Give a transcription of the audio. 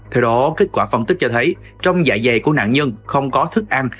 theo đó kết quả phân tích cho thấy trong dạ dày của nạn nhân không có thức ăn